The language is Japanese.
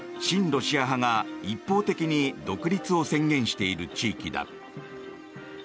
ロシア派が一方的に独立を宣言している地域だ。